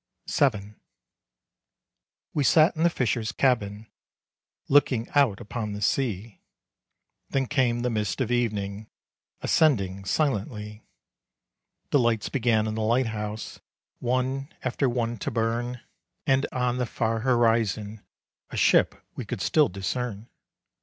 VII. We sat in the fisher's cabin, Looking out upon the sea. Then came the mists of evening, Ascending silently. The lights began in the lighthouse One after one to burn, And on the far horizon A ship we could still discern.